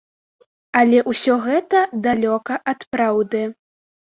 Але ўсё гэта далёка ад праўды.